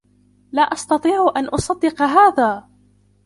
لا أستطيع أن أُصدق هذا!